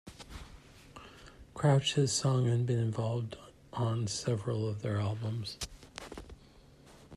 Crouch has sung and been involved on several of their albums.